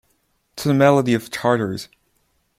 To the melody of Chartres.